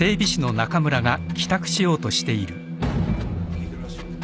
聞いてるらしいよ。